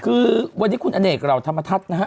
คือวันนี้คุณอเนกเหล่าธรรมทัศน์นะฮะ